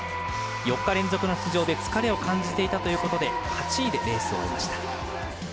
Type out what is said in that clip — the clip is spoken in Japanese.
４日連続の出場で疲れを感じていたということで８位でレースを終えました。